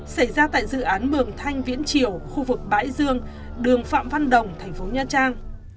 xảy ra tại dự án mường thanh viễn triều khu vực bãi dương đường phạm văn đồng thành phố nha trang